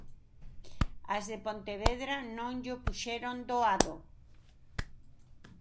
As de Pontevedra non llo puxeron doado.